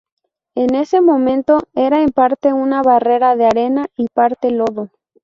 En ese momento era en parte una barrera de arena y parte lodo.